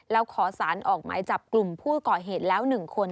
แล้วขอสารออกหมายจับกลุ่มผู้ก่อเหตุแล้ว๑คน